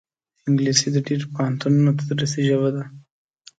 انګلیسي د ډېرو پوهنتونونو تدریسي ژبه ده